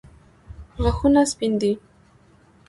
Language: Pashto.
غاښونه سپین دي.